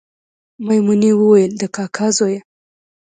میمونې ویل د کاکا زویه